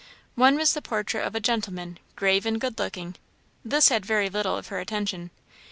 One was the portrait of a gentleman, grave and good looking; this had very little of her attention.